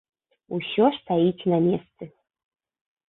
Усё стаіць на месцы.